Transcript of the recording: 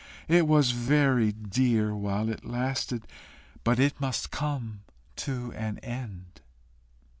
It was very dear while it lasted, but it must come to an end."